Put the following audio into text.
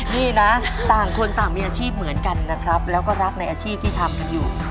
นี่นะต่างคนต่างมีอาชีพเหมือนกันนะครับแล้วก็รักในอาชีพที่ทำกันอยู่